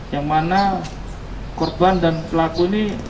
yang mana korban dan pelaku ini